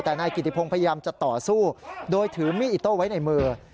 แต่นายกิติพงศ์พยายามจะต่อสู้โดยถือมีดอิโต้ไว้ในมือ